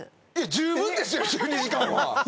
十分ですよ１２時間は。